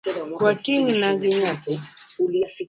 Kaw ting’na gi nyathi